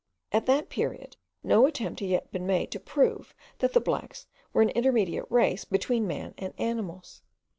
At that period no attempt had yet been made to prove that the blacks were an intermediate race between man and animals.